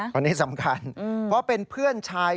เพราะเป็นเพื่อนชาย